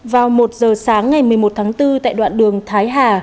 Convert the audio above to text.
vào một giờ sáng ngày một mươi một tháng bốn tại đoạn đường thái hà